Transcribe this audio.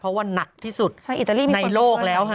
เพราะว่านักที่สุดในโลกแล้วค่ะ